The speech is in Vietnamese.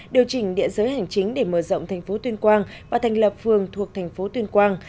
điều chỉnh địa giới hành chính để mở rộng thành phố tuyên quang và thành lập phường thuộc thành phố tuyên quang